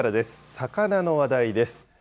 魚の話題です。